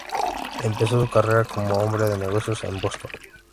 Empezó su carrera como hombre de negocios en Boston.